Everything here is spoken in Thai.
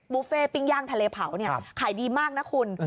เฟ่ปิ้งย่างทะเลเผาขายดีมากนะคุณ